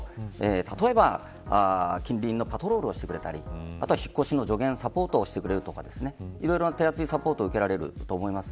例えば近隣のパトロールをしてくれたり引っ越しの助言やサポートをしてくれたりと手厚いサポートを受けられると思います。